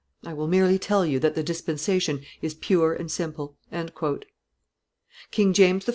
. I will merely tell you that the dispensation is pure and simple." King James I.